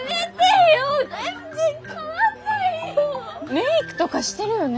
メークとかしてるよね？